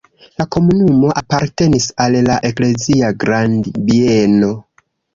La komunumo apartenis al la eklezia grandbieno.